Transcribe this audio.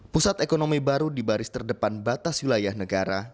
pusat ekonomi baru di baris terdepan batas wilayah negara